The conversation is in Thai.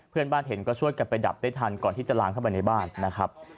เพื่อนบ้านเห็นก็ช่วยกันไปดับได้ทันก่อนที่จะลางเข้าไปในบ้านนะครับ